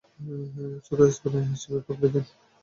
চতুর্থ স্পাইডার-ম্যান চলচ্চিত্রও প্রক্রিয়াধীন রয়েছে।